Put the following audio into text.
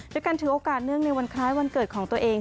ด้วยการถือโอกาสเนื่องในวันคล้ายวันเกิดของตัวเอง